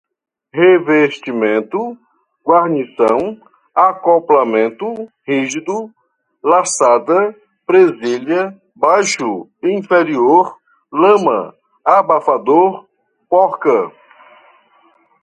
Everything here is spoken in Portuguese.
revestimento, guarnição, acoplamento, rígido, laçada, presilha, baixo, inferior, lama, abafador, porca